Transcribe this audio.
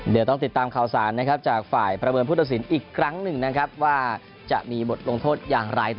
เดี๋ยวต้องติดตามข่าวสารนะครับจากฝ่ายประเมินผู้ตัดสินอีกครั้งหนึ่งนะครับว่าจะมีบทลงโทษอย่างไร